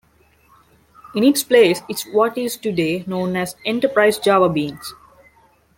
In its place is what is today known as Enterprise JavaBeans.